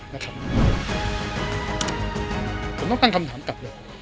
ผมต้องตั้งคำถามกลับเลย